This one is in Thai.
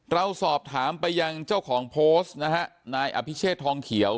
เราสอบถามไปยังเจ้าของโพสต์นะฮะนายอภิเชษทองเขียว